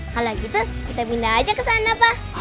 kalau gitu kita pindah aja ke sana pak